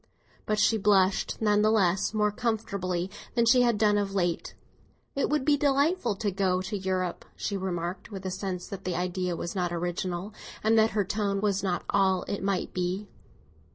But she blushed, none the less, more comfortably than she had done of late. "It would be delightful to go to Europe," she remarked, with a sense that the idea was not original, and that her tone was not all it might be.